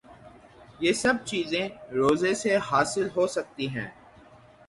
یہ سب چیزیں روزے سے حاصل ہو سکتی ہیں